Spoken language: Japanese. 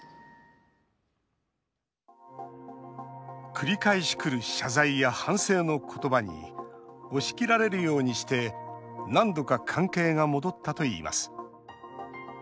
繰り返しくる謝罪や反省の言葉に押し切られるようにして何度か関係が戻ったといいます。